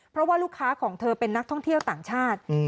เพราะว่าลูกค้าของเธอเป็นนักท่องเที่ยวต่างชาติ